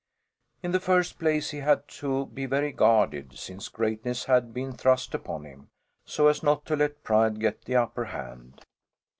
In the first place he had to be very guarded, since greatness had been thrust upon him, so as not to let pride get the upper hand.